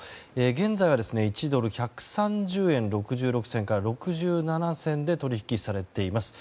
現在は１ドル＝１３０円６６銭から６７銭で取引されています。